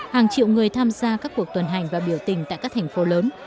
hàng triệu người tham gia các cuộc tuần hành và biểu tình tại các thành phố lớn